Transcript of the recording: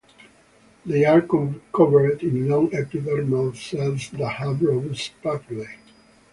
They are covered in long epidermal cells that have robust papillae.